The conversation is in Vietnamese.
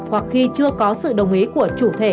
hoặc khi chưa có sự đồng ý của chủ thể